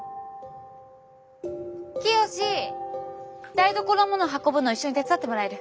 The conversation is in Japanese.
台所のもの運ぶの一緒に手伝ってもらえる？